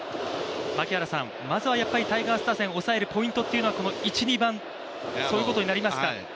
まずはやっぱりタイガース打線を抑えるポイントというのはこの１・２番ということになりますか？